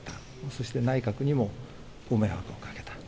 そして内閣にもご迷惑をかけた。